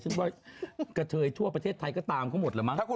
ซึ่งว่ากระเทยทั่วประเทศไทยก็ตามเขาหมดแล้วมั้ง